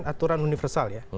aturan universal ya